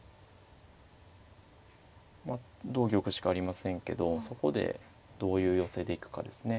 同玉しかありませんけどそこでどういう寄せでいくかですね。